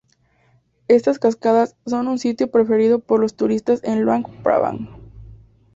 Estas cascadas son un sitio preferido por los turistas en Luang Prabang.